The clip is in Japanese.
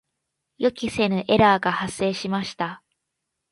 予期せぬエラーが発生しました。